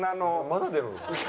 まだ出る？